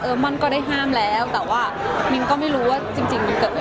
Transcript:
เอ้อมันก็ได้ฆ่ามนะแต่ว่ามิ้นก็ไม่รู้ว่าจริงอย่างนี้เกิดขึ้น